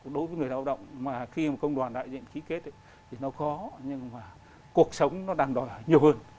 đối với người lao động mà khi mà công đoàn đại diện ký kết thì nó khó nhưng mà cuộc sống nó đang đòi nhiều hơn